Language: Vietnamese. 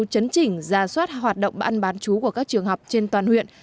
chấn chỉnh giả soát hoạt động bán bán chú của các trường học trên toàn huyện